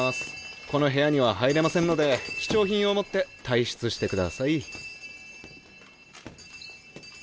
この部屋には入れませんので貴重品を持って退出してください。